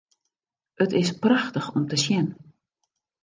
It is prachtich om te sjen.